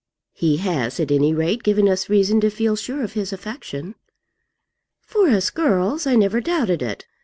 "He has, at any rate, given us reason to feel sure of his affection." "For us girls, I never doubted it.